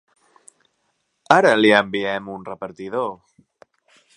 Ara li enviem un repartidor.